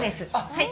はい。